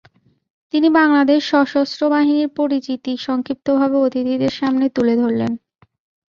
তিনি বাংলাদেশ সশস্ত্র বাহিনীর পরিচিতি সংক্ষিপ্ত ভাবে অতিথিদের সামনে তুলে ধরেন।